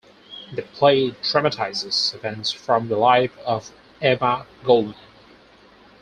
The play dramatizes events from the life of Emma Goldman.